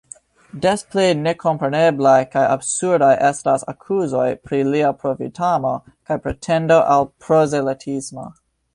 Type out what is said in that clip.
Des pli nekompreneblaj kaj absurdaj estas akuzoj pri lia profitamo kaj pretendo al prozelitismo.